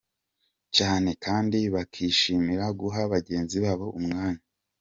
cyane, kandi bakishimira guha bagenzi babo umwanya